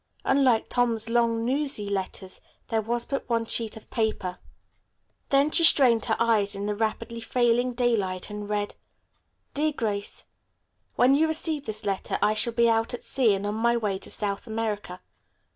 Unlike Tom's long, newsy letters, there was but one sheet of paper. Then she strained her eyes in the rapidly failing daylight and read: "DEAR GRACE: "When you receive this letter I shall be out at sea and on my way to South America.